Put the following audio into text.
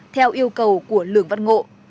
theo yêu cầu của lường văn ngộ